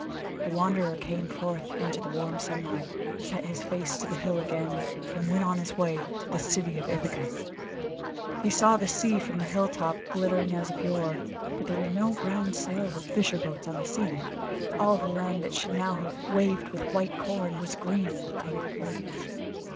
The Wanderer came forth into the warm sunlight, set his face to the hill again, and went on his way to the city of Ithaca. He saw the sea from the hill top glittering as of yore, but there were no brown sails of fisher boats on the sea. All the land that should now have waved with the white corn was green with tangled weeds.